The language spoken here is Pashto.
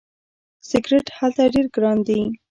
سیګرټ هلته ډیر ګران دي.